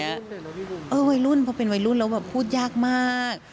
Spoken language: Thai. ว่าเวลาหร่วงหรือเป็นวัยรุ่นแล้วแบบพูดยากมาก